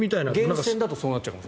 源泉だとそうなっちゃうかも。